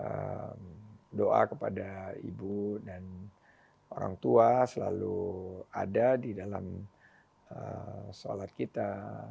dan juga kepada ibu dan orang tua selalu ada di dalam sholat kita